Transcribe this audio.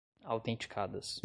autenticadas